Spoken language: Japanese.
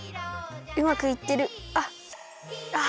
うまくいってるあっああ！